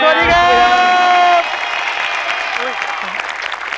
สวัสดีครับ